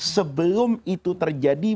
sebelum itu terjadi